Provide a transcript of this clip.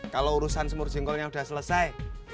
kalau urusan semur jengkolnya sudah selesai